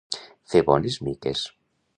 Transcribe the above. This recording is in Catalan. Fer bones miques.